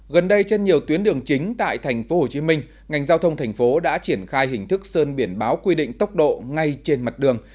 gần đây trên nhiều tuyến đường chính tại tp hcm ngành giao thông thành phố đã triển khai hình thức sơn biển báo quy định tốc độ ngay trên mặt đường